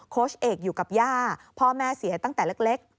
โค้ชเอกอยู่กับย่าพ่อแม่เสียตั้งแต่เล็ก